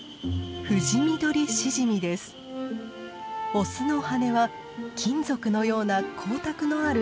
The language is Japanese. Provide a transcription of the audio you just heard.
オスの羽は金属のような光沢のある青色。